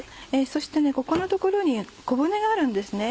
そしてここの所に小骨があるんですね。